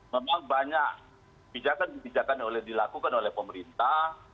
memang banyak kebijakan kebijakan dilakukan oleh pemerintah